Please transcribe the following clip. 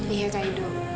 iya kak edo